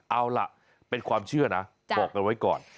เอาล่ะเป็นความเชื่อนะบอกกันไว้ก่อน